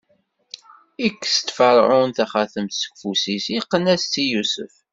Ikkes-d Ferɛun taxatemt seg ufus-is, iqqen-as-tt i Yusef.